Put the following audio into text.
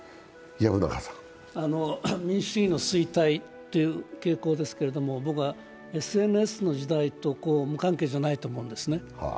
民主主義の衰退という傾向ですけれどもＳＮＳの時代と無関係ではないと僕は思うんですね。